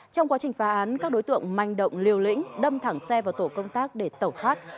trong quá trình phá án các đối tượng manh động liều lĩnh đâm thẳng xe vào tổ công tác để tẩu thoát